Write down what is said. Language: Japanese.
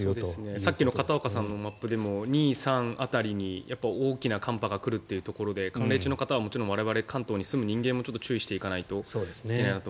先ほどの片岡さんのマップでも２、３辺りに大きな寒波が来るというところで寒冷地の方はもちろん我々、関東に住む人も注意していかないと。